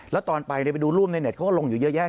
แล้วตอนไปไปดูรูปในเต็ดเขาก็ลงอยู่เยอะแยะ